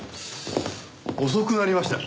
遅くなりました。